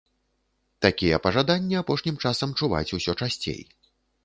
Такія пажаданні апошнім часам чуваць усё часцей.